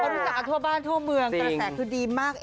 ว่ารู้จักอ่ะทั่วบ้านทั่วเมืองเทศแสคได้ดีมาก